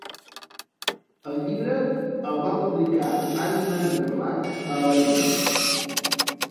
El llibre el va publicar Ahriman Verlag a Alemanya.